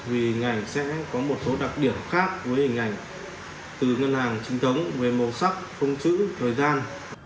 vì hình ảnh sẽ có một số đặc điểm khác với hình ảnh từ ngân hàng trinh thống về màu sắc phông chữ thời gian